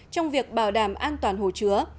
trong việc bảo đảm an toàn hồ chứa